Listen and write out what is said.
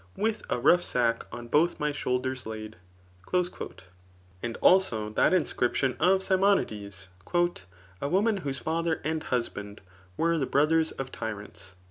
With a rough sack on both my shoulders laid. * And also that ([inscription]] of StmontdeSy ^* A woman vrhose tober and husband were the boothers of tyrants.'